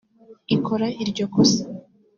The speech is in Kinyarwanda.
ikora iryo kosa